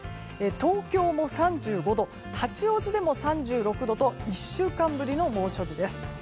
東京も３５度八王子でも３６度と１週間ぶりの猛暑日です。